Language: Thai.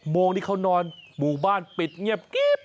โมงที่เขานอนหมู่บ้านปิดเงียบกิ๊บ